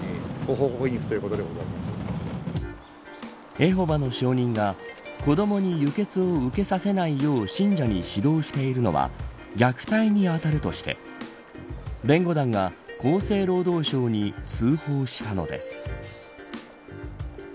エホバの証人が子どもに輸血を受けさせないよう信者に指導しているのは虐待に当たるとして弁護団が厚生労働省に通報したのです。